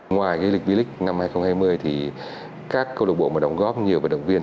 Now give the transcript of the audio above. ngoài lịch vi lịch năm hai nghìn hai mươi thì các câu lục bộ mà đóng góp nhiều vận động viên